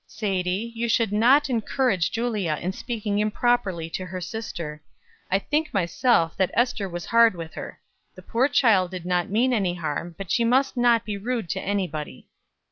Sadie, you should not encourage Julia in speaking improperly to her sister. I think myself that Ester was hard with her. The poor child did not mean any harm; but she must not be rude to anybody."